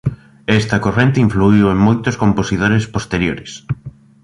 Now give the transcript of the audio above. Esta corrente influíu en moitos compositores posteriores.